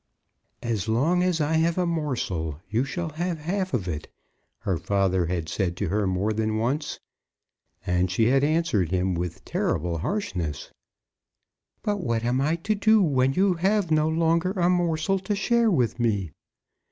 "As long as I have a morsel, you shall have half of it," her father had said to her more than once. And she had answered him with terrible harshness, "But what am I to do when you have no longer a morsel to share with me?